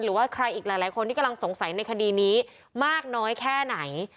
หรือว่าใครอีกหลายคนที่กำลังสงสัยในคดีนี้มากน้อยแค่ไหน